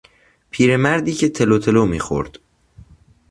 پیر مردی که تلوتلو میخورد